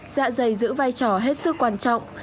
dạ dày giữ vai trò hết sức quan trọng